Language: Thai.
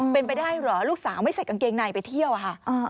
เป็นไปได้เหรอลูกสาวไม่ใส่กางเกงในไปเที่ยวอะค่ะ